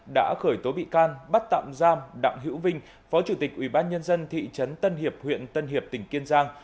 đã khởi tố bị can bắt tạm giam đặng hữu vinh phó chủ tịch ubnd thị trấn tân hiệp huyện tân hiệp tỉnh kiên giang